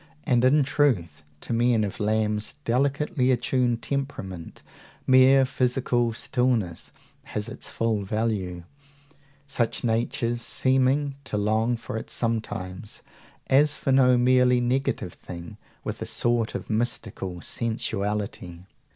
And, in truth, to men of Lamb's delicately attuned temperament mere physical stillness has its full value; such natures seeming to long for it sometimes, as for no merely negative thing, with a sort of mystical sensuality.